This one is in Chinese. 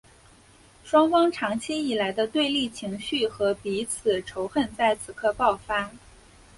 双方长期以来的对立情绪和彼此仇恨在此刻爆发。